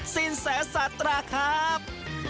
สินแสสาตราครับ